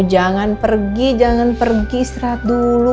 jangan pergi jangan pergi serat dulu